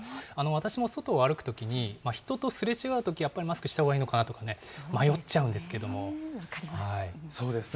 私も外を歩くときに、人とすれ違うときはやっぱりマスクしたほうがいいのかなとかね、迷っちゃう分かります。